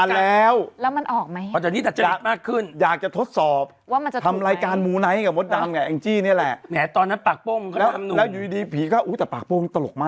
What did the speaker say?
แล้วก็เขาก็อย่างเงี้ยพี่ก็อุ๊ยคุณเป็นอะไรเนี่ยเขาปอบปอบปอบปอบ